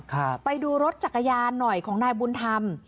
ครับไปดูรถจักรยานหน่อยของนายบุญธรรม